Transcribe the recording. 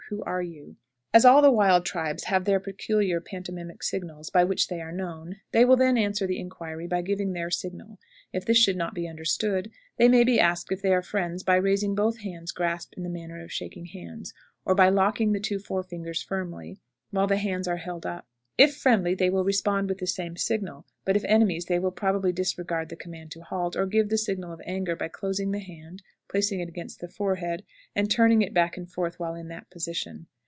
Who are you?" As all the wild tribes have their peculiar pantomimic signals by which they are known, they will then answer the inquiry by giving their signal. If this should not be understood, they may be asked if they are friends by raising both hands grasped in the manner of shaking hands, or by locking the two fore fingers firmly while the hands are held up. If friendly, they will respond with the same signal; but if enemies, they will probably disregard the command to halt, or give the signal of anger by closing the hand, placing it against the forehead, and turning it back and forth while in that position.